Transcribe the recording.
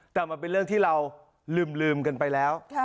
แต่มันเป็นเรื่องที่เราลืมกันไปแล้ว